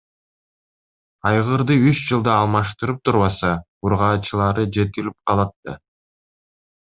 Айгырды үч жылда алмаштырып турбаса, ургаачылары жетилип калат да.